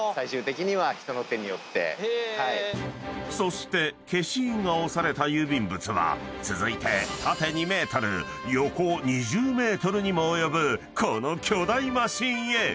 ［そして消印が押された郵便物は続いて縦２ｍ横２０ｍにも及ぶこの巨大マシンへ］